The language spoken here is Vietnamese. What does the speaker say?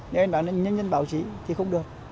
nếu anh bảo nhân dân báo chí thì không được